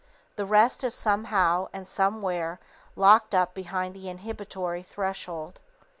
_The rest is somehow and somewhere locked up behind the inhibitory threshold.